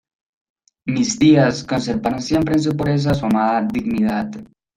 Mis tías conservaron siempre en su pobreza su amada dignidad.